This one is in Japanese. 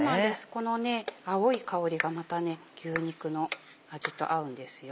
この青い香りがまた牛肉の味と合うんですよ。